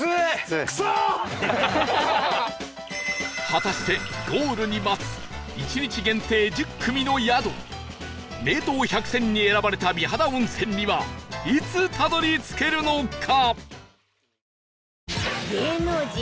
果たしてゴールに待つ１日限定１０組の宿名湯百選に選ばれた美肌温泉にはいつたどり着けるのか？